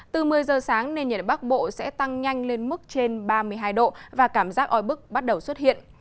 từ một mươi giờ sáng nền nhiệt ở bắc bộ sẽ tăng nhanh lên mức trên ba mươi hai độ và cảm giác oi bức bắt đầu xuất hiện